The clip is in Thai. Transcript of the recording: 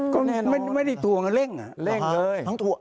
ก็ไม่ได้ถั่วเงินเร่งไปเลย